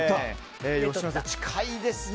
吉村さん、近いですね。